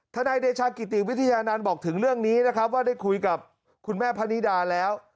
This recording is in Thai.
นายเดชากิติวิทยานันต์บอกถึงเรื่องนี้นะครับว่าได้คุยกับคุณแม่พะนิดาแล้ว